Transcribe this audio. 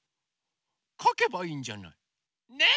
かけばいいんじゃない。ね！